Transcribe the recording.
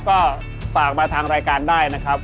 ก็ฝากมาทางรายการได้นะครับ